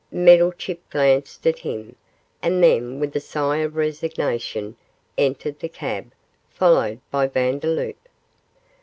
Meddlechip glanced at him, and then, with a sigh of resignation, entered the cab, followed by Vandeloup.